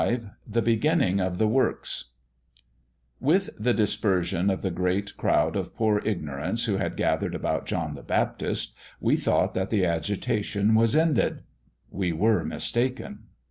V THE BEGINNING OF THE WORKS WITH the dispersion of the great crowd of poor ignorants who had gathered about John the Baptist, we thought that the agitation was ended. We were mistaken.